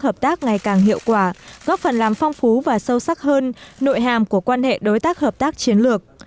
hợp tác ngày càng hiệu quả góp phần làm phong phú và sâu sắc hơn nội hàm của quan hệ đối tác hợp tác chiến lược